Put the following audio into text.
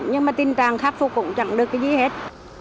nhưng mà tình trạng khắc phục cũng chẳng được cái gì hết